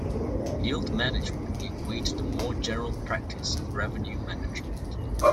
Yield management gave way to the more general practice of revenue management.